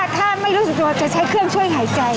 ถ้าไม่รู้สึกตัวจะใช้เครื่องช่วยหายใจ